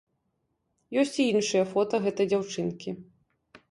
Ёсць і іншыя фота гэтай дзяўчынкі.